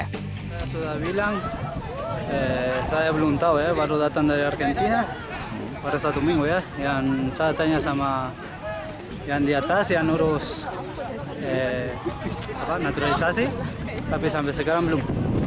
saya sudah bilang saya belum tahu ya baru datang dari argentina pada satu minggu ya yang saya tanya sama yang di atas yang ngurus naturalisasi tapi sampai sekarang belum